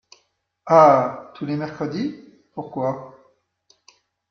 Ah ! tous les mercredis !… pourquoi ?…